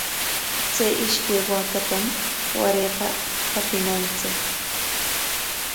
Chay ishkay waakatam warayqa qapinachik.